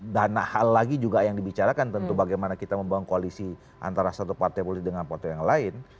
dan hal lagi juga yang dibicarakan tentu bagaimana kita membangun koalisi antara satu partai politik dengan partai yang lain